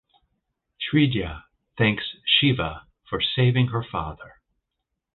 Srividya thanks Shiva for saving her father.